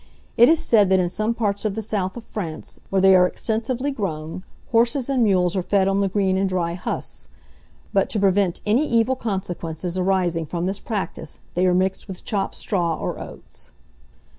It is said that in some parts of the south of France, where they are extensively grown, horses and mules are fed on the green and dry husks; but, to prevent any evil consequences arising from this practice, they are mixed with chopped straw or oats.